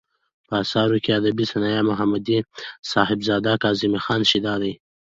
په اثارو کې ادبي صنايع ، محمدي صاحبزداه ،کاظم خان شېدا دى.